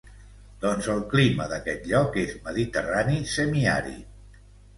Doncs el clima d'aquest lloc és mediterrani semiàrid.